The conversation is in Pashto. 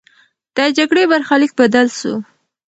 د جګړې برخلیک بدل سو.